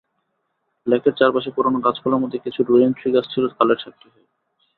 লেকের চারপাশে পুরোনো গাছপালার মধ্যে কিছু রেইনট্রিগাছ ছিল কালের সাক্ষী হয়ে।